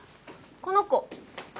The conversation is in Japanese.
この子。